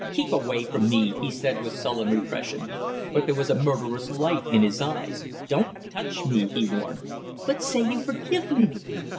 "Keep away from me!" he said with sullen repression, but there was a murderous light in his eyes. "Don't touch me!" he warned. "But say you forgive me!"